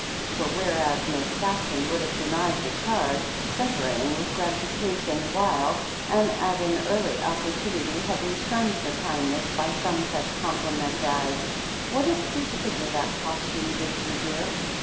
For, whereas Miss Saxon would have denied the charge, simpering with gratification the while, and at an early opportunity have returned the kindness by some such compliment as, "What a sweet figure that costume gives you, dear.